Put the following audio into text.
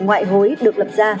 ngoại hối được lập ra